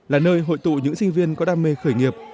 là nơi hội tụ những sinh viên có đam mê khởi nghiệp